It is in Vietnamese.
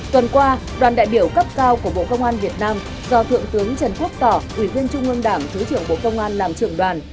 tuần qua đoàn đại biểu cấp cao của bộ công an việt nam do thượng tướng trần quốc tỏ ủy viên trung ương đảng thứ trưởng bộ công an làm trưởng đoàn